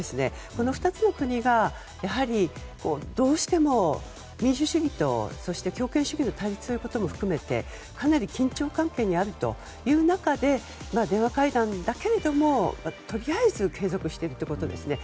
この２つの国がどうしても民主主義と強権主義の対立ということも含めてかなり緊張関係にあるという中で電話会談だけどもとりあえず継続しているということですね。